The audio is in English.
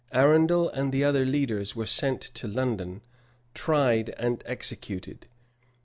Arundel and the other leaders were sent to London, tried, and executed.